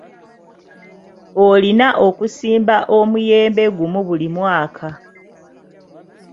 Olina okusimba omuyembe gumu buli mwaka.